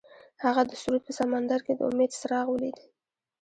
هغه د سرود په سمندر کې د امید څراغ ولید.